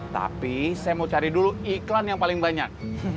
tapi saya mau cari dulu iklan yang paling banyak